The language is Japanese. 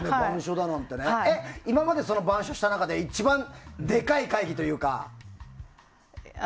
今まで板書した中で一番でかい会議というか。